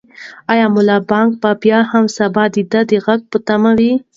آیا ملا بانګ به سبا هم د دې غږ په تمه وي؟